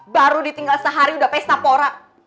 baru ditinggal sehari udah pesta pora